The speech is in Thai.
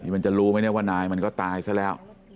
มันจะรู้ไหมเนี่ยว่านายมันก็ตายซะแล้ว